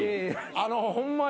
あのホンマに。